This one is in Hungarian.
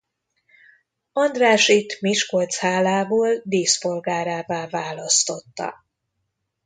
Andrássyt Miskolc hálából díszpolgárává választotta.